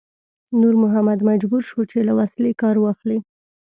نور محمد مجبور شو چې له وسلې کار واخلي.